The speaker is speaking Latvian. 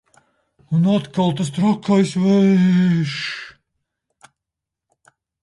Un atkal tas trakais vējš!